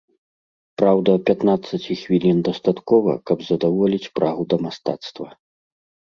Праўда, пятнаццаці хвілін дастаткова, каб задаволіць прагу да мастацтва.